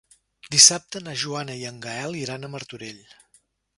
Dissabte na Joana i en Gaël iran a Martorell.